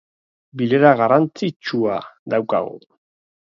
Bilera garrantzitsua daukagu